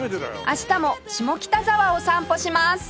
明日も下北沢を散歩します